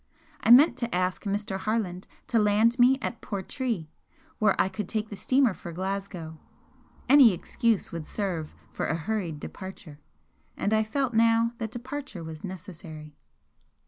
I meant to ask Mr. Harland to land me at Portree, where I could take the steamer for Glasgow; any excuse would serve for a hurried departure and I felt now that departure was necessary.